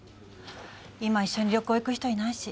今一緒に旅行行く人いないし。